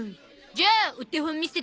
じゃあお手本見せて。